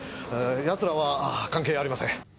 奴らは関係ありません。